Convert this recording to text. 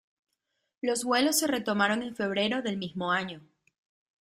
Los vuelos se retomaron en febrero del mismo año.